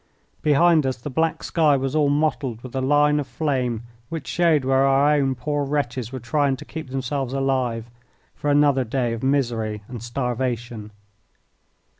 Behind us the black sky was all mottled with a line of flame which showed where our own poor wretches were trying to keep themselves alive for another day of misery and starvation.